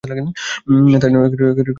তাই না লক্ষ্মী!